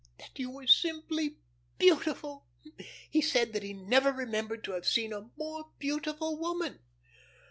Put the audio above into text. "And that you were simply beautiful. He said that he never remembered to have seen a more beautiful woman."